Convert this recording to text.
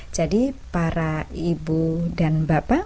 jadi para ibu dan bapak